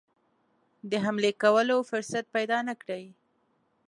د حملې کولو فرصت پیدا نه کړي.